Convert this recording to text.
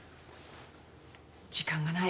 時間がない。